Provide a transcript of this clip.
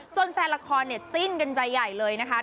จนแฟนละครจิ้นกันใจใหญ่เลยนะคะ